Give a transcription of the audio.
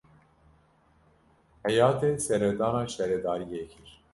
Heyetê seredana şaredariyê kir.